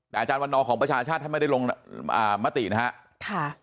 แต่อาจารย์วันนอของประชาชาติท่านไม่ได้ลงมตินะครับ